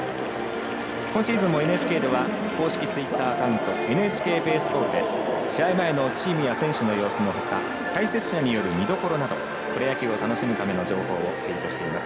今シーズンもＮＨＫでは公式ツイッターアカウント「ＮＨＫベースボール」で試合前のチームや選手の様子のほか解説者による見どころなどプロ野球を楽しむための情報をツイートしています。